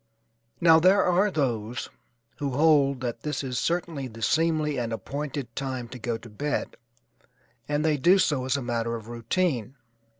Now there are those who hold that this is certainly the seemly and appointed time to go to bed and they do so as a matter of routine.